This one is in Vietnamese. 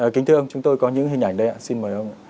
kính thưa ông chúng tôi có những hình ảnh đây ạ xin mời ông